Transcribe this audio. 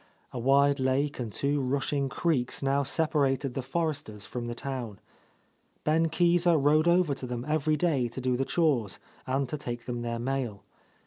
A wide lake and two rushing creeks now separated the Forresters front the town. Ben Keezer rode over to them every day to do the chores and to take them their mail.